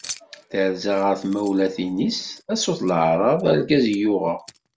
Terza ɣer tmawlatin-is, a sut leɛraḍ argaz i uɣeɣ.